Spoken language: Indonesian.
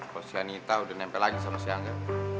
kok si anita udah nempel lagi sama si angga